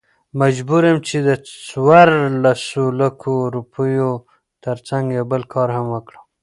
مجبور يم چې دڅورلسو لکو، روپيو ترڅنګ يو بل څه هم وکړم .